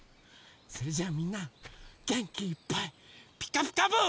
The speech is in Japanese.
それじゃあみんなげんきいっぱい「ピカピカブ！」。